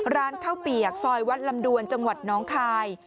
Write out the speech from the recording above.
ร้านข้าวเปียกซอยวัดลำดวนจังหวัดน้องคาย